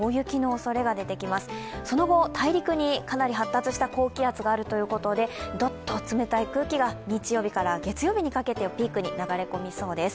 その後、大陸にかなり発達した高気圧があるということでどっと冷たい空気が日曜日から月曜日にかけてピークに流れ込みそうです。